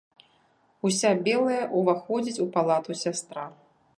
Уся белая ўваходзіць у палату сястра.